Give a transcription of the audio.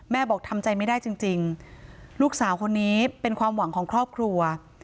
บอกทำใจไม่ได้จริงลูกสาวคนนี้เป็นความหวังของครอบครัว